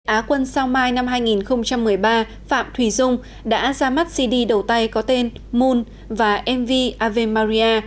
á quân sao mai năm hai nghìn một mươi ba phạm thùy dung đã ra mắt cd đầu tay có tên moon và mv ave maria